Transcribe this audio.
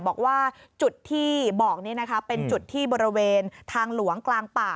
บอกว่าจุดที่บอกนี้นะคะเป็นจุดที่บริเวณทางหลวงกลางป่า